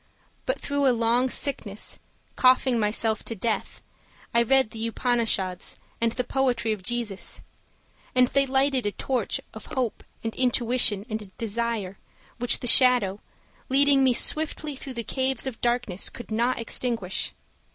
But through a long sickness Coughing myself to death I read the Upanishads and the poetry of Jesus. And they lighted a torch of hope and intuition And desire which the Shadow Leading me swiftly through the caverns of darkness, Could not extinguish.